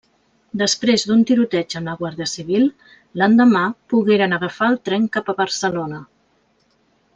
Després d'un tiroteig amb la Guàrdia Civil, l'endemà pogueren agafar el tren cap a Barcelona.